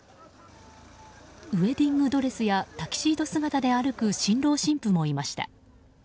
ウェディングドレスやタキシード姿で歩く新郎新婦もいました。